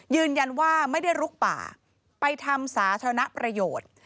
ยืนยันว่าไม่ได้ลุกป่าไปทำสาธารณประโยชน์